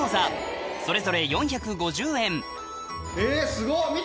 すごっ！